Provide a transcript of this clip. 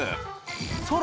そう。